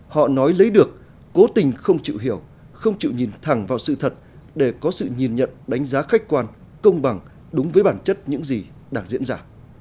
họ nói lấy được cố tình không chịu hiểu không chịu nhìn thẳng vào sự thật để có sự nhìn nhận đánh giá khách quan công bằng đúng với bản chất những gì đang diễn ra